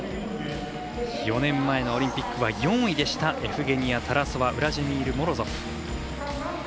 ４年前のオリンピックは４位でしたエフゲニア・タラソワウラジーミル・モロゾフ。